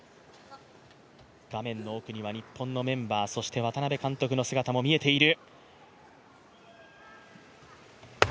画面の奥には日本のメンバー、渡辺監督の姿も見えている。